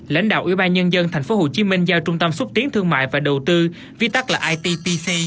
lãnh đạo ủy ban nhân dân tp hcm giao trung tâm xuất tiến thương mại và đầu tư vi tắc là ittc